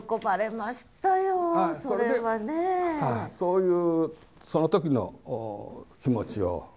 そういうその時の気持ちを。